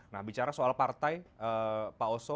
nah bicara soal partai pak oso